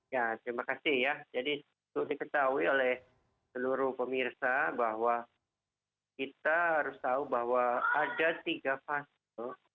ya terima kasih ya jadi untuk diketahui oleh seluruh pemirsa bahwa kita harus tahu bahwa ada tiga fase